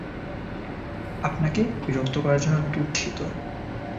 আপনাকে বিরক্ত করার জন্য দুঃখিত।